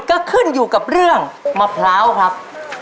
ก็ขึ้นอยู่กับเรื่องมะพร้าวครับ